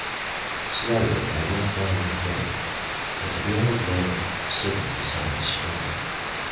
Slowly I went down the hill, and to the old man sitting beside the stream.